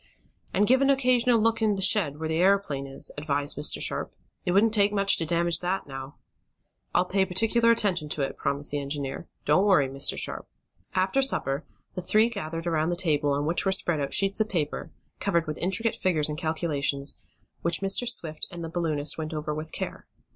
"And give an occasional look in the shed, where the aeroplane is," advised Mr. Sharp. "It wouldn't take much to damage that, now." "I'll pay particular attention to it," promised the engineer. "Don't worry, Mr. Sharp." After supper the three gathered around the table on which were spread out sheets of paper, covered with intricate figures and calculations, which Mr. Swift and the balloonist went over with care.